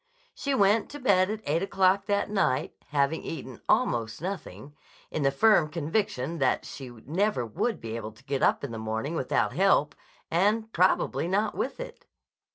She went to bed at eight o'clock that night, having eaten almost nothing, in the firm conviction that she never would be able to get up in the morning without help, and probably not with it!